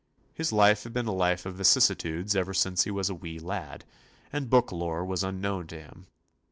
His life had been a life of vicissitudes ever since he was a wee lad, and book lore was unknown to him.